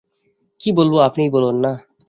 কী বলব আপনিই বলুন-না।